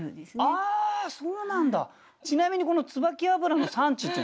ああそうなんだ！